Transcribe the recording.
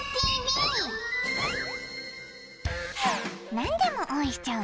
何でも応援しちゃう